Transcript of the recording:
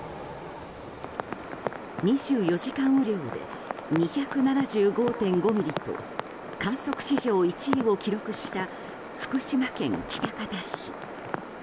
２４時間雨量で２７５．５ミリと観測史上１位を記録した福島県喜多方市。